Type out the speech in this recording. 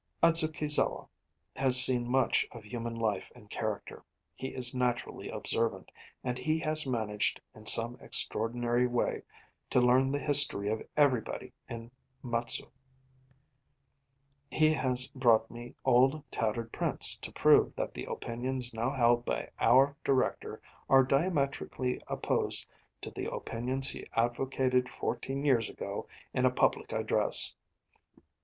Adzukizawa has seen much of human life and character. He is naturally observant; and he has managed in some extraordinary way to learn the history of everybody in Matsue. He has brought me old tattered prints to prove that the opinions now held by our director are diametrically opposed to the opinions he advocated fourteen years ago in a public address.